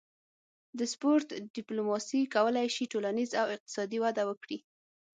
د سپورت ډیپلوماسي کولی شي ټولنیز او اقتصادي وده وکړي